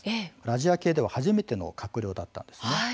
アジア系では初めての閣僚だったんですね。